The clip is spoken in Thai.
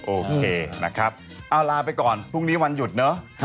โอเคนะครับเอาลาไปก่อนพรุ่งนี้วันหยุดเนอะ